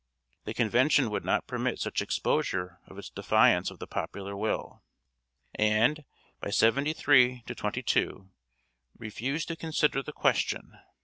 The Convention would not permit such exposure of its defiance of the popular will; and, by seventy three to twenty two, refused to consider the question.